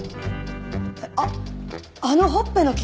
あっあのほっぺの傷！